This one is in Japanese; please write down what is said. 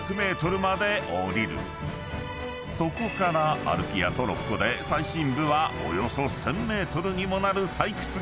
［そこから歩きやトロッコで最深部はおよそ１，０００ｍにもなる採掘現場へ］